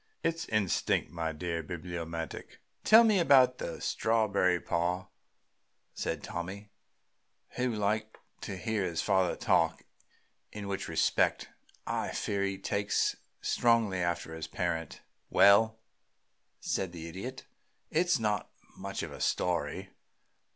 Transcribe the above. It's instinct, my dear Bibliomaniac." "Tell about the strawberry, pa," said Tommy, who liked to hear his father talk, in which respect I fear he takes strongly after his parent. "Well," said the Idiot, "it's not much of a story.